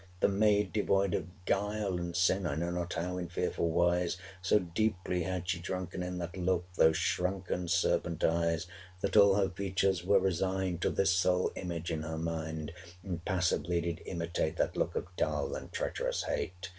The maid, devoid of guile and sin, I know not how, in fearful wise, 600 So deeply had she drunken in That look, those shrunken serpent eyes, That all her features were resigned To this sole image in her mind: And passively did imitate 605 That look of dull and treacherous hate!